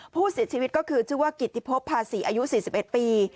ผู้เสียชีวิตก็คือชื่อว่ากิติพบภาษีอายุ๔๑ปี